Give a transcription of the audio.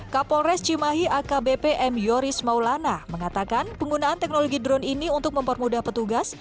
kapolres cimahi akbp m yoris maulana mengatakan penggunaan teknologi drone ini untuk mempermudah petugas